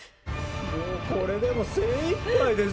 もうこれでも精いっぱいです。